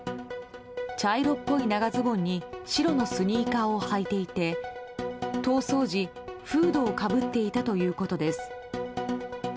茶色っぽい長ズボンに白のスニーカーを履いていて逃走時、フードをかぶっていたということです。